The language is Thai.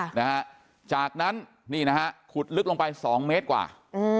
ค่ะนะฮะจากนั้นนี่นะฮะขุดลึกลงไปสองเมตรกว่าอืม